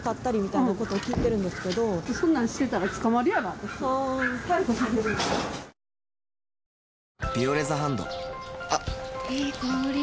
いい香り。